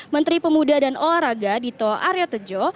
menteri pemuda dan olahraga dito aryo tejo